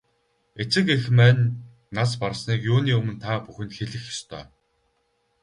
Эцэг эх маань нас барсныг юуны өмнө та бүхэнд хэлэх ёстой.